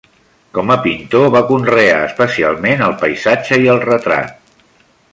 Com a pintor va conrear especialment el paisatge i el retrat.